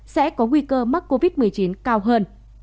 sẽ có nguy cơ mắc covid một mươi chín cao hơn